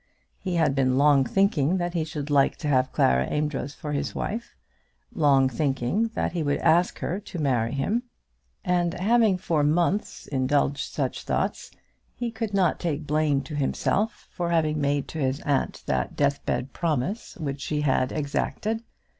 He had been long thinking that he should like to have Clara Amedroz for his wife; long thinking that he would ask her to marry him; and having for months indulged such thoughts he could not take blame to himself for having made to his aunt that deathbed promise which she had exacted.